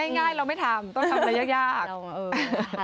ง่ายเราไม่ทำต้องทำอะไรยาก